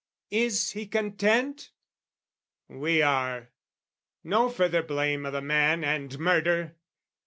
Is he content? We are. No further blame O' the man and murder!